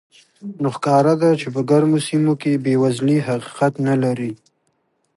نو ښکاره ده چې په ګرمو سیمو کې بېوزلي حقیقت نه لري.